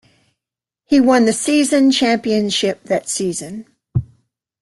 He won the season championship that season.